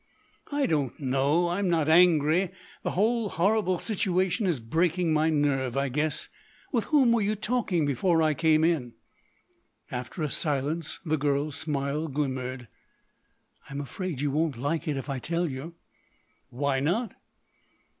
"I don't know.... I'm not angry.... The whole horrible situation is breaking my nerve, I guess.... With whom were you talking before I came in?" After a silence the girl's smile glimmered. "I'm afraid you won't like it if I tell you." "Why not?"